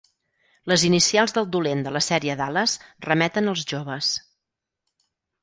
Les inicials del dolent de la sèrie “Dallas” remeten als joves.